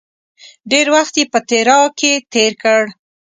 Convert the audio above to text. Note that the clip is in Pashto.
ډېر وخت یې په تیراه کې تېر کړ.